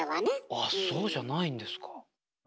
あっそうじゃないんですか。